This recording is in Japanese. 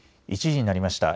１時になりました。